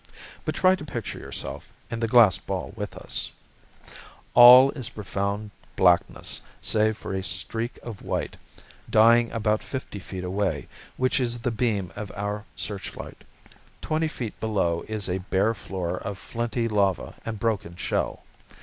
But try to picture yourself in the glass ball with us: All is profound blackness save for a streak of white, dying about fifty feet away, which is the beam of our searchlight. Twenty feet below is a bare floor of flinty lava and broken shell.